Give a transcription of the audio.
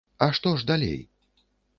А што ж далей?